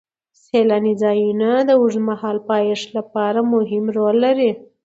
سیلاني ځایونه د اوږدمهاله پایښت لپاره مهم رول لري.